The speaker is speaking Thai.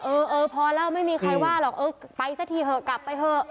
เออเออพอแล้วไม่มีใครว่าหรอกเออไปซะทีเถอะกลับไปเถอะ